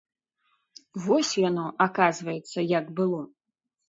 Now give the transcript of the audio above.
Вось яно, аказваецца, як было!